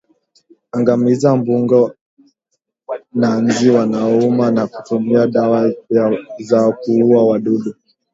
Angamiza mbung'o na nzi wanaouma kwa kutumia dawa za kuua wadudu